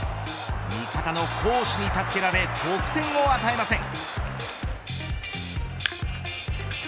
味方の好守に助けられ得点を与えません。